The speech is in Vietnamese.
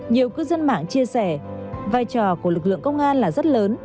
nhiều cư dân mạng chia sẻ vai trò của lực lượng công an là rất lớn